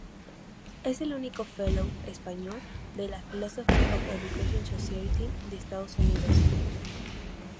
Es el único "Fellow" español de la Philosophy of Education Society de Estados Unidos.